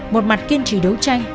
một mặt kiên trì đấu tranh